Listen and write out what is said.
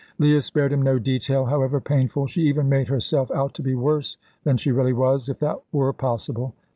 Leah spared him no detail, however painful; she even made herself out to be worse than she really was if that were possible.